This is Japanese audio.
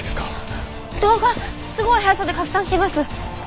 動画すごい速さで拡散しています！